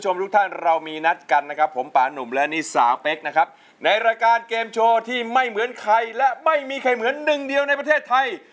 ไม่มีใครเหมือนหนึ่งเดียวในประเทศไทย